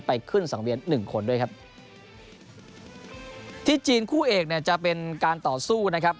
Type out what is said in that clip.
ขึ้นสังเวียนหนึ่งคนด้วยครับที่จีนคู่เอกเนี่ยจะเป็นการต่อสู้นะครับ